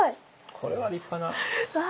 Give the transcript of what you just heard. これは立派な。